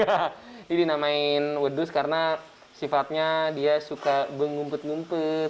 ini dinamain wadus karena sifatnya dia suka mengumpet ngumpet